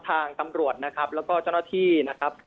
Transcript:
ทางตำรวจนะครับแล้วก็เจ้าหน้าที่นะครับ